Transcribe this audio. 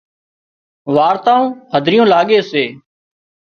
وارتائون هڌريون لاڳي سي